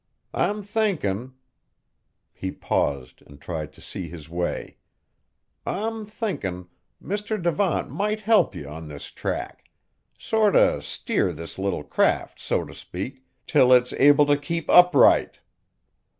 I'm thinkin'," he paused and tried to see his way, "I'm thinkin', Mr. Devant might help ye on this tack. Sort o' steer this little craft, so t' speak, till it's able to keep upright."